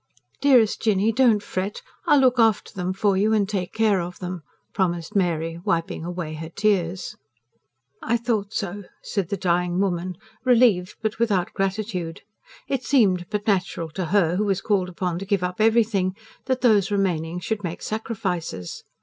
"Dearest Jinny, don't fret. I'll look after them for you, and take care of them," promised Mary wiping away her tears. "I thought so," said the dying woman, relieved, but without gratitude: it seemed but natural to her, who was called upon to give up everything, that those remaining should make sacrifices.